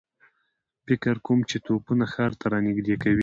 فکر کوم چې توپونه ښار ته را نږدې کوي.